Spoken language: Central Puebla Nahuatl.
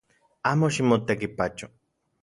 Amo ximotekipacho